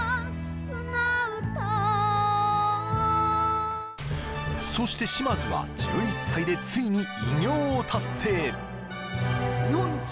舟唄をそして島津は１１歳でついに偉業を達成